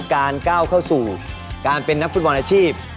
การก้าวเข้าสู่การเป็นนักฟื้นว่านอาชีพ